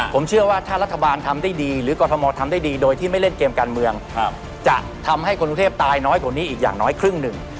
ผมเชื่อว่าถ้ารัฐบาลทำได้ดีหรือกรทมทำได้ดีโดยที่ไม่เล่นเกมการเมืองจะทำให้คนกรุงเทพตายน้อยกว่านี้อีกอย่างน้อยครึ่งหนึ่ง